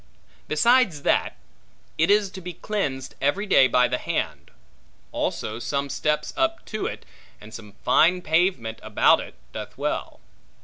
Besides that, it is to be cleansed every day by the hand. Also some steps up to it, and some fine pavement about it, doth well.